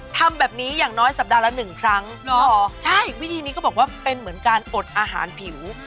ทำแบบนี้อย่างน้อยสัปดาห์ละหนึ่งครั้งใช่วิธีนี้เขาบอกว่าเป็นเหมือนการอดอาหารผิว